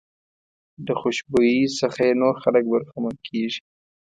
د خوشبويۍ څخه یې نور خلک برخمن کېږي.